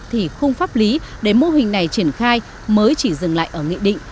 thì khung pháp lý để mô hình này triển khai mới chỉ dừng lại ở nghị định